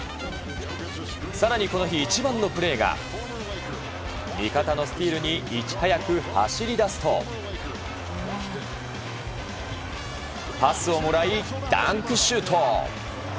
更にこの日一番のプレーが味方のスティールにいち早く走り出すとパスをもらい、ダンクシュート！